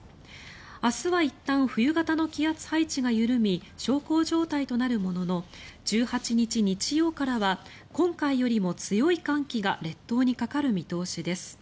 明日はいったん冬型の気圧配置が緩み小康状態となるものの１８日、日曜からは今回よりも強い寒気が列島にかかる見通しです。